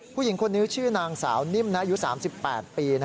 ผู้หญิงคนนี้ชื่อนางสาวนิ่มอายุ๓๘ปี